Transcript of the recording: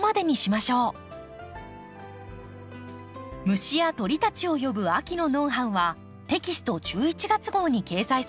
虫や鳥たちを呼ぶ秋のノウハウはテキスト１１月号に掲載されています。